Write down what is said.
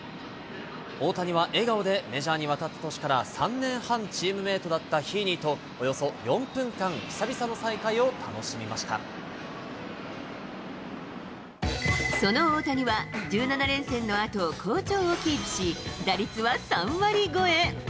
大谷は笑顔でメジャーに渡った年から３年半、チームメートだったヒーニーとおよそ４分間、久々のその大谷は、１７連戦のあと、好調をキープし、打率は３割超え。